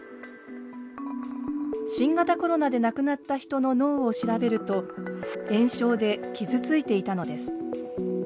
新型コロナで亡くなった人の脳を調べると炎症で傷ついていたのです。